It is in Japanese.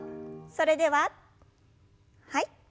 それでははい。